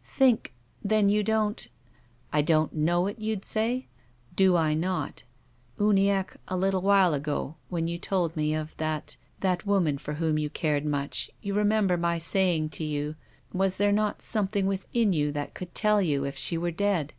" Think — then you don't —"" I don't know it, you'd say ? Do T not ? Uni acke, a little while ago, when you told me of that — that woman for whom you cared much, you re member my saying to you, was there not some 42 TONGUES OF CONSCIENCE. thing within you that would tell you if she were dead